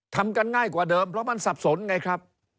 ทำกันง่ายกว่าเดิมเพราะมันสับสนไงครับ